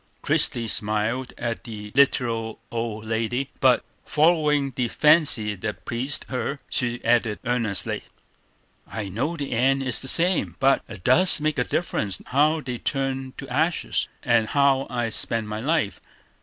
Christie smiled at the literal old lady; but, following the fancy that pleased her, she added earnestly: "I know the end is the same; but it does make a difference how they turn to ashes, and how I spend my life.